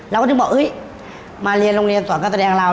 เราก็ต้องบอกมาเรียนโรงเรียนสอนการแสดงเรา